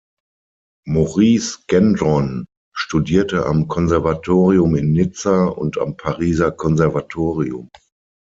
Maurice Gendron studierte am Konservatorium in Nizza und am Pariser Konservatorium.